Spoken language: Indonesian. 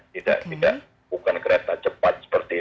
tidak tidak bukan kereta cepat seperti itu